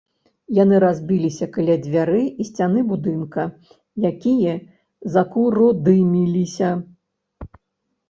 Яны разбіліся каля дзвярэй і сцяны будынка, якія закуродымілася.